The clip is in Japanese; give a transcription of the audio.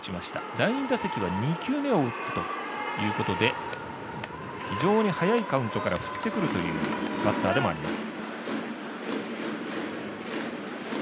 第２打席は２球目を打ってということで非常に早いカウントから振ってくるというバッターでもあります。